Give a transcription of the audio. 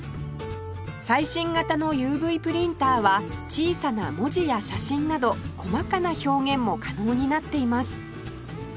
最新型の ＵＶ プリンターは小さな文字や写真など細かな表現も可能になっています